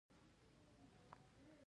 ځینې خلک ظالم ستایي.